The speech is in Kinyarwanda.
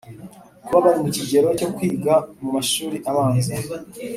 ku bari mu kigero cyo kwiga mu mashuri abanza